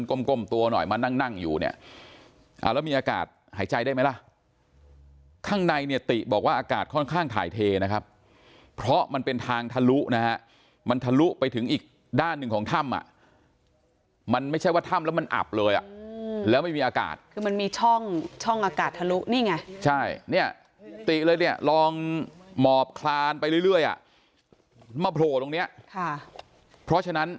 กลมตัวหน่อยมานั่งนั่งอยู่เนี่ยแล้วมีอากาศหายใจได้ไหมล่ะข้างในเนี่ยติบอกว่าอากาศค่อนข้างถ่ายเทนะครับเพราะมันเป็นทางทะลุนะฮะมันทะลุไปถึงอีกด้านหนึ่งของถ้ำอ่ะมันไม่ใช่ว่าถ้ำแล้วมันอับเลยอ่ะแล้วไม่มีอากาศคือมันมีช่องช่องอากาศทะลุนี่ไงใช่เนี่ยติเลยเนี่ยลองหมอบคลานไปเรื่อยอ่ะมาโผล่ตรงเนี้ยค่ะเพราะฉะนั้น